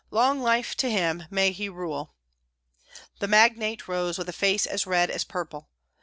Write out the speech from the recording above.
Long life to him! May he rule!" The magnate rose with a face as red as purple.